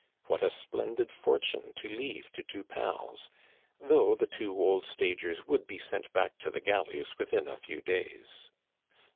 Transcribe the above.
What a splendid fortune to leave to two pals, though the two old stagers would be sent back to the galleys within a few days!